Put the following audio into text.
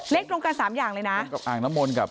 เลขตรงกัน๓อย่างเลยนะ